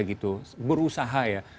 gitu berusaha ya